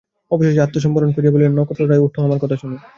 অবশেষে আত্মসম্বরণ করিয়া বলিলেন, নক্ষত্ররায়, ওঠো, আমার কথা শোনো।